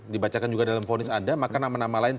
dibacakan juga dalam vonis anda maka nama nama lain